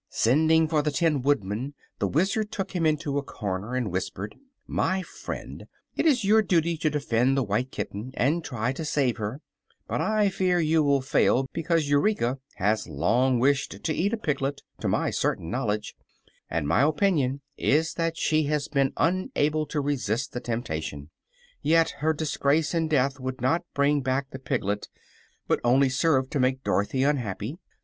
Sending for the Tin Woodman the Wizard took him into a corner and whispered: "My friend, it is your duty to defend the white kitten and try to save her, but I fear you will fail because Eureka has long wished to eat a piglet, to my certain knowledge, and my opinion is that she has been unable to resist the temptation. Yet her disgrace and death would not bring back the piglet, but only serve to make Dorothy unhappy.